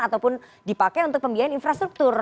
ataupun dipakai untuk pembiayaan infrastruktur